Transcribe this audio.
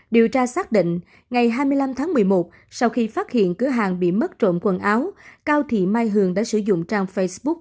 điều tra xác định ngày hai mươi năm tháng một mươi một sau khi phát hiện cửa hàng bị mất trộm quần áo cao thị mai hường đã sử dụng trang facebook